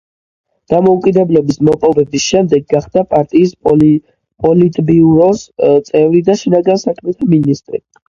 დამოუკიდებლობის მოპოვების შემდეგ გახდა პარტიის პოლიტბიუროს წევრი და შინაგან საქმეთა მინისტრი.